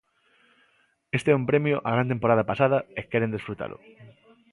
Este é un premio á gran temporada pasada e queren desfrutalo.